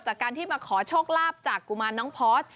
จากการที่มาขอโชคลาภจากกุมารน้องพอส